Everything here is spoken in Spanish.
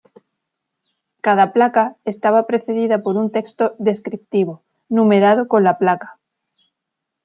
Cada placa estaba precedida por un texto descriptivo, numerado con la placa.